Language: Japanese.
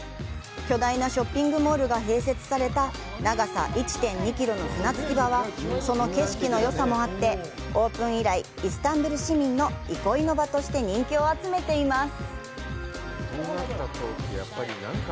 巨大なショッピングモールが併設された長さ１．２キロの船着き場はその景色のよさもあってオープン以来、イスタンブール市民の憩いの場として人気を集めています。